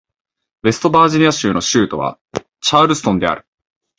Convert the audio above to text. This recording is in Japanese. ウェストバージニア州の州都はチャールストンである